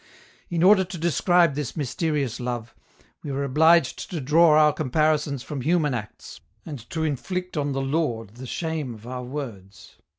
In order to describe this mysterious love, we are obliged to draw our comparisons from human acts, and to inflict on the Lord the shame of our words.